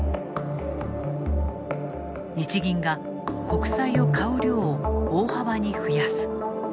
日銀が国債を買う量を大幅に増やす。